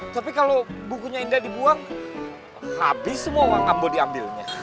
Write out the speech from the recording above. tapi kalau bukunya indah dibuang habis semua uang ambo diambilnya